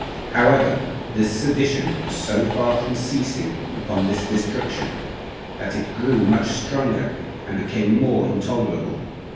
1. However, this sedition was so far from ceasing upon this destruction, that it grew much stronger, and became more intolerable.